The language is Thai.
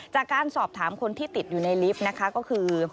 จากการสอบถามคนที่ติดอยู่ในลิฟต์นะคะก็คือ